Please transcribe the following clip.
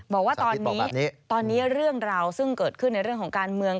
บอกว่าตอนนี้ตอนนี้เรื่องราวซึ่งเกิดขึ้นในเรื่องของการเมือง